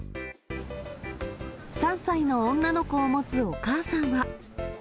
３歳の女の子を持つお母さんは。